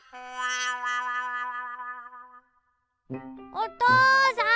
おとうさん！